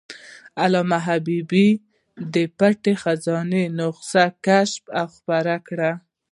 علامه حبیبي د "پټه خزانه" نسخه کشف او خپره کړه.